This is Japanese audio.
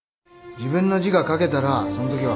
自分の字が書けたらそんときは。